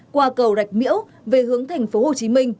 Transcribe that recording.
qua cầu rạch miễu về hướng thành phố hồ chí minh